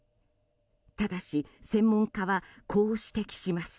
ただし、専門家はこう指摘します。